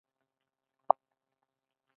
افغانستان د غزني له مخې پېژندل کېږي.